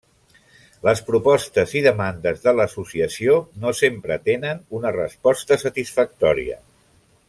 Les propostes i demandes de l'associació no sempre tenen una resposta satisfactòria.